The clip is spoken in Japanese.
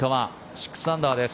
６アンダーです。